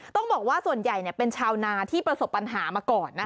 ต้องบอกว่าส่วนใหญ่เป็นชาวนาที่ประสบปัญหามาก่อน